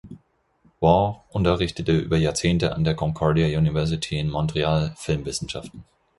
Waugh unterrichtete über Jahrzehnte an der Concordia University in Montreal Filmwissenschaften.